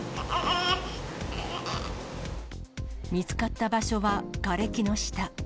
見つかった場所は、がれきの下。